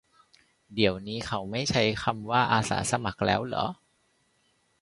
เดี๋ยวนี้เขาไม่ใช้คำว่า "อาสาสมัคร" แล้วเหรอ